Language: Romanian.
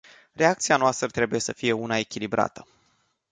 Reacția noastră trebuie să fie una echilibrată.